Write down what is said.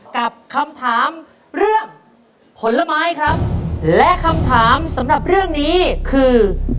กับคำถามเรื่องผลไม้ครับและคำถามสำหรับเรื่องนี้คือ